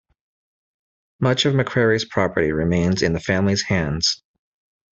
Much of McCrary's property remains in the family's hands.